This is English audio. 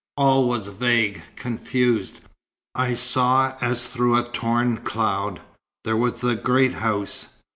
"All was vague confused. I saw as through a torn cloud. There was the great house.